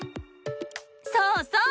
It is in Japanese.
そうそう！